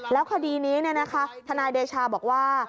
แล้วคดีนี้ทนายเดชาบอกว่า